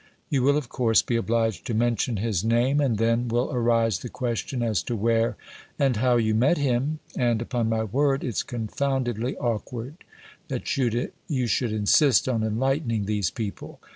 You will, of course, be obliged to mention his name, and then will arise the question as to where and how you met him; and, upon my word, it's confoundedly awkward that you should insist on enlightening these people.